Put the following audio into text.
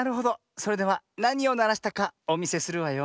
それではなにをならしたかおみせするわよ。